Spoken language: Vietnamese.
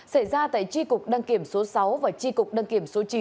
xảy ra tại tri cục đăng kiểm số sáu và tri cục đăng kiểm số chín